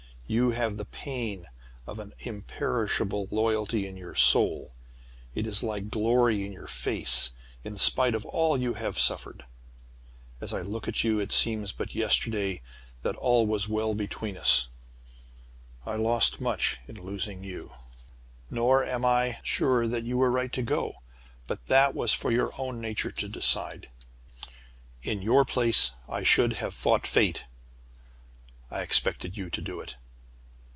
"You have the pain of an imperishable loyalty in your soul. It is like a glory in your face, in spite of all you have suffered. As I look at you, it seems but yesterday that all was well between us. "I lost much in losing you. "Nor am I sure that you were right to go! But that was for your own nature to decide. In your place I should have fought Fate, I expected you to do it.